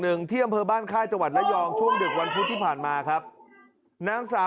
เนิงเที่ยวบ้านค่าจังหวัดระยองในวันสุดิผ่านมาครับนางเสา